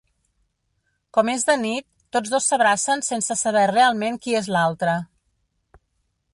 Com és de nit, tots dos s'abracen sense saber realment qui és l'altre.